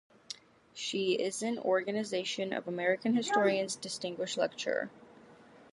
She is an Organization of American Historians Distinguished Lecturer.